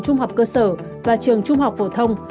trung học cơ sở và trường trung học phổ thông